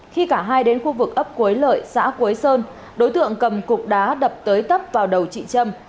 khi cả hai đến khu vực ấp quế lợi xã quế sơn đối tượng cầm cục đá đập tới tấp vào đầu chị trâm